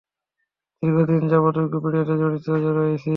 দীর্ঘদিন যাবৎ উইকিপিডিয়ায় জড়িত রয়েছি।